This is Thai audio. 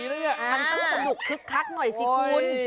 ทำสรุปสนุกคลิกหน่อยสิคน